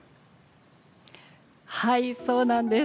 はい、そうなんです。